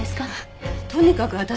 とにかく私。